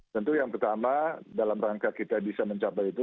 tentu yang pertama dalam rangka kita bisa mencapai itu